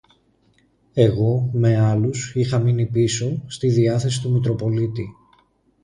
Εγώ, με άλλους, είχα μείνει πίσω, στη διάθεση του Μητροπολίτη.